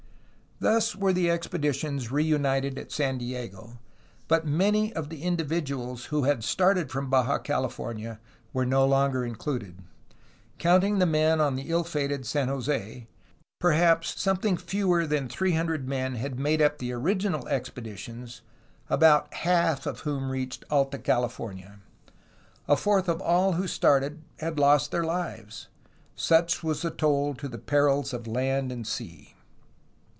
Thus were the expeditions reunited at San Diego, but many of the individuals who had started from Baja Cali fornia were no longer included. Counting the men on the ill fated San Jose, perhaps something fewer than three hundred men had made up the original expeditions, about half of whom reached Alta California. A fourth of all who started had lost their lives. Such was the toll to the perils of land and sea.